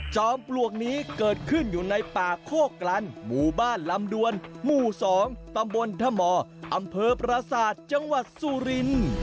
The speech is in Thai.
ปลวกนี้เกิดขึ้นอยู่ในป่าโคกลันหมู่บ้านลำดวนหมู่๒ตำบลธมอำเภอประสาทจังหวัดสุรินทร์